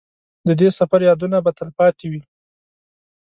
د دې سفر یادونه به تلپاتې وي.